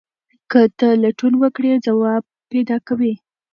که ته لټون وکړې ځواب پیدا کوې.